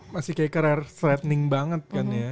masih kayak keren threatening banget kan ya